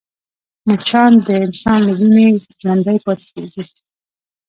مچان د انسان له وینې ژوندی پاتې کېږي